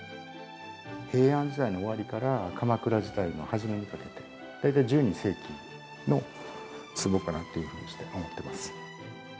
平安時代の終わりから、鎌倉時代の初めにかけて、大体１２世紀のつぼかなと思ってます。